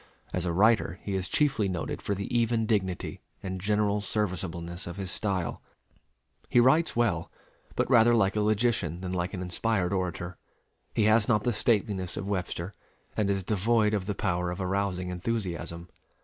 As a writer he is chiefly noted for the even dignity and general serviceableness of his style. He writes well, but rather like a logician than like an inspired orator. He has not the stateliness of Webster, and is devoid of the power of arousing enthusiasm.